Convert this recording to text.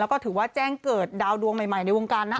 แล้วก็ถือว่าแจ้งเกิดดาวดวงใหม่ในวงการนะ